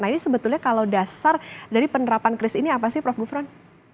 nah ini sebetulnya kalau dasar dari penerapan kris ini apa sih prof gufron